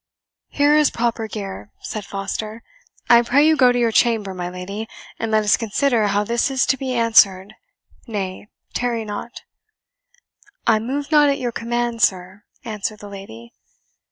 "Here is proper gear," said Foster. "I pray you go to your chamber, my lady, and let us consider how this is to be answered nay, tarry not." "I move not at your command, sir," answered the lady.